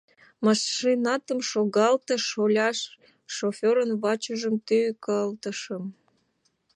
— Машинатым шогалте, шоляш! — шоферын вачыжым тӱкалтышым.